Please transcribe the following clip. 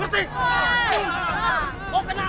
gua gak tau